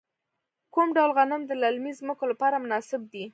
کوم ډول غنم د للمي ځمکو لپاره مناسب دي؟